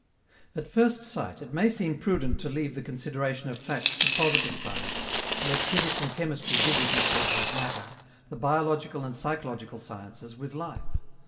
At first sight, it may seem prudent to leave the consideration of facts to positive science, to let physics and chemistry busy themselves with matter, the biological and psychological sciences with life.